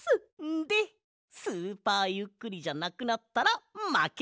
でスーパーゆっくりじゃなくなったらまけ！